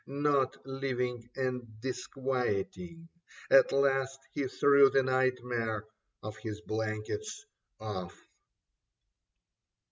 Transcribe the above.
Not living and disquieting. At last He threw the nightmare of his blankets off.